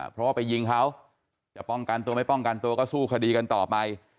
เพราะว่าไปยิงเขาจะป้องกันตัวไม่ป้องกันตัวก็สู้คดีกันต่อไป